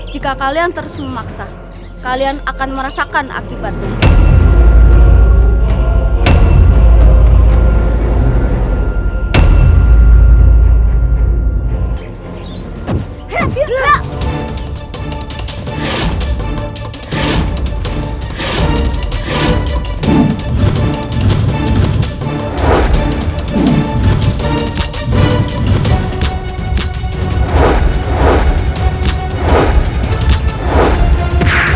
jika kalian terus memaksa kalian akan merasakan akibatnya